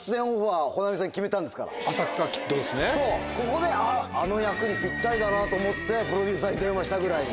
ここであの役にピッタリだなと思ってプロデューサーに電話したぐらい。